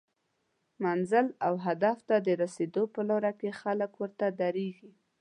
منزل او هدف ته د رسیدو په لار کې خلک ورته دریږي